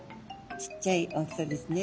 ちっちゃい大きさですね。